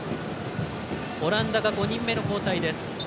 オランダが５人目の交代です。